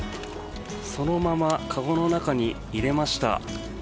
そのまま籠の中に入れました。